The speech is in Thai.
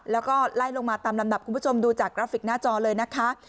แล้วก็ไล่ลงมาตามลำดับคุณผู้ชมดูจากกราฟิกหน้าจอเลยนะคะ